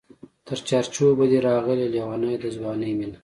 تر چار چوبه دی راغلې لېونۍ د ځوانۍ مینه